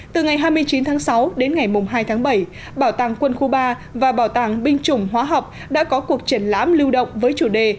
từ ngày hai mươi chín tháng sáu đến ngày hai tháng bảy bảo tàng quân khu ba và bảo tàng binh chủng hóa học đã có cuộc triển lãm lưu động với chủ đề